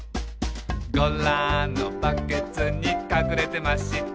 「ゴラのバケツにかくれてました」